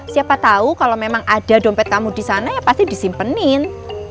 siapa tau kalau memang ada dompet kamu disana ya pasti disimpenin